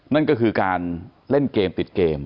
นั่นก็คือการเล่นเกมติดเกม